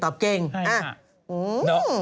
จอบเกงบังเก่ง